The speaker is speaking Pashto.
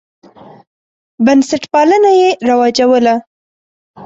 بنسټپالنه یې رواجوله.